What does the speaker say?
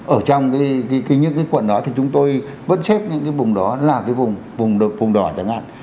ở trong những cái quận đó thì chúng tôi vẫn xếp những cái vùng đó là cái vùng vùng đỏ chẳng hạn